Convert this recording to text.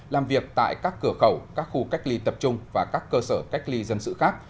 làm việc tại các cửa khẩu các khu cách ly tập trung và các cơ sở cách ly dân sự khác